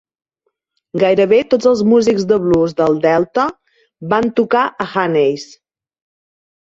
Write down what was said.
Gairebé tots els músics de blues del delta van tocar a Haney's.